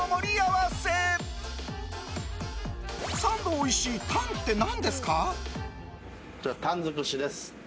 ３度おいしい、たんって何ですか？